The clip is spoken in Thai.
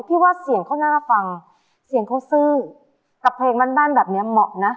ว่าเสียงเขาน่าฟังเสียงเขาซื่อกับเพลงบ้านแบบนี้เหมาะนะ